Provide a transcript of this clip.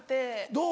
どう？